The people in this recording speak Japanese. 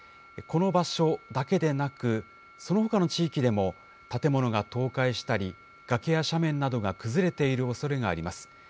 この場所だけでなく、そのほかの地域でも建物が倒壊したり、崖や斜面などが崩れているおそれがあります。